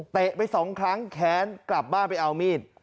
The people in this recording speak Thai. ไปสองครั้งแค้นกลับบ้านไปเอามีด